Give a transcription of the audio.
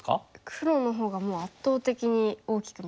黒のほうがもう圧倒的に大きく見えますね。